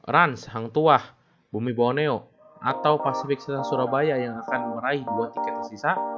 rans hang tuah bumi bawaneo atau pasifik setan surabaya yang akan meraih dua tiket yang sisa